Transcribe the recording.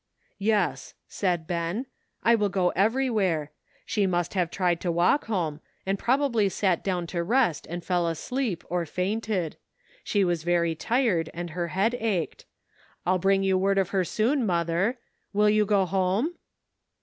"Yes," said Ben, "I will go everywhere. She must have tried to walk home, and proba bly sat down to rest and fell asleep, or fainted. She was very tired, and her head ached. I'll bring you word of her soon, mother. Will you go home?"